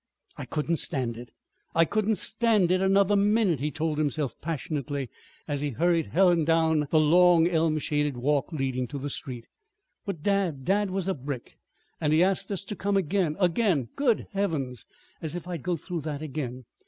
"I couldn't stand it! I couldn't stand it another minute," he told himself passionately, as he hurried Helen down the long elm shaded walk leading to the street. "But dad dad was a brick! And he asked us to come again. Again! Good Heavens! As if I'd go through that again!